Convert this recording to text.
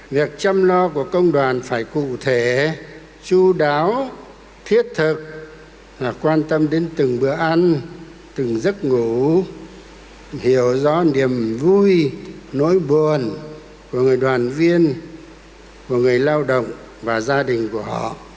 việc chăm lo của công đoàn phải cụ thể chú đáo thiết thực và quan tâm đến từng bữa ăn từng giấc ngủ hiểu rõ niềm vui nỗi buồn của người đoàn viên của người lao động và gia đình của họ